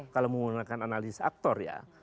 kalau menggunakan analisis aktor ya